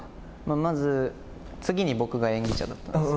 まず、次に僕が演技者だったんですよ。